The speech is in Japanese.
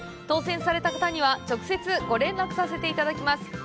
当せんされた方には直接ご連絡させていただきます。